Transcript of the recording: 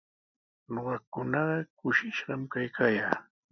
Ñuqakunaqa kushishqami kaykaayaa.